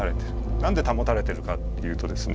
なんで保たれてるかっていうとですね